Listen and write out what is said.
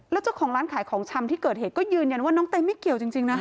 แล้วเจ้าของร้านขายของชำที่เกิดเหตุก็ยืนยันว่าน้องเต๊ไม่เกี่ยวจริงนะ